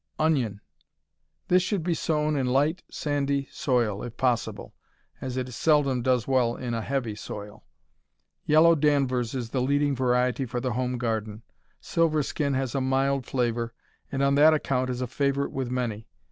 Onion This should be sown in light, sandy soil, if possible, as it seldom does well in a heavy soil. Yellow Danvers is the leading variety for the home garden. Silverskin has a mild flavor, and on that account it is a favorite with many.